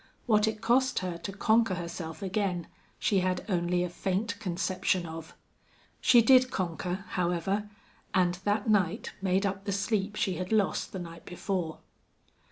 What it cost her to conquer herself again she had only a faint conception of. She did conquer, however, and that night made up the sleep she had lost the night before.